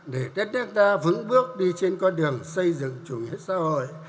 để đất nước ta vững bước đi trên con đường xây dựng chủ nghĩa xã hội